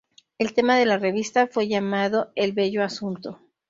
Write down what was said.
El tema de la revista fue llamado el "bello asunto".